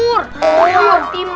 berarti mereka belum menghormati kita